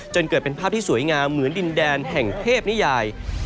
จนเกิดเป็นภาพที่สวยงามเหมือนดินแดนแห่งเทพนิยาย